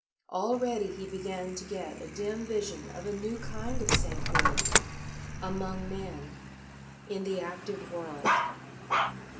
Al ready, he began to get a dim vision of a LOYOLA 61 new kind of sainthood, among men, in the active world.